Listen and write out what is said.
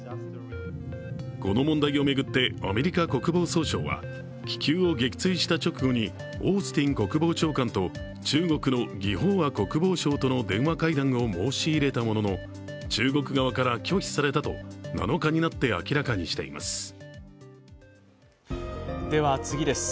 この問題を巡ってアメリカ国防総省は気球を撃墜した直後にオースティン国防長官と中国の魏鳳和国防相との電話会談を申し入れたものの、中国側から拒否されたと７日になって明らかにしています。